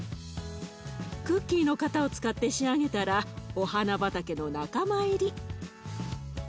クッキーの型を使って仕上げたらお花畑の仲間入り。